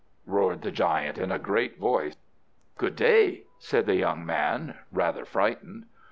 roared the giant, in a great voice. "Good day!" said the young man, rather frightened.